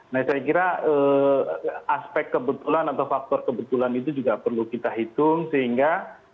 nah saya kira aspek kebetulan atau faktor kebetulan itu juga perlu kita hitung sehingga